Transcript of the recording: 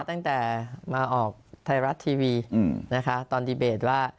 ตั้งแต่มาออกไทยรัฐทีวีนะคะตอนดีเบตว่า